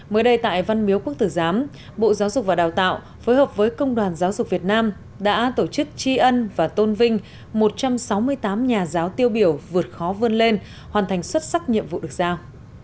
mới đây tại văn miếu quốc tử giám bộ giáo dục và đào tạo phối hợp với công đoàn giáo dục việt nam đã tổ chức tri ân và tôn vinh một trăm sáu mươi tám nhà giáo tiêu biểu vượt khó vươn lên hoàn thành xuất sắc nhiệm vụ được giao